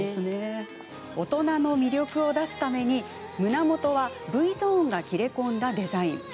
大人の女性的な魅力を出すために胸元はＶゾーンが切れ込んだデザイン。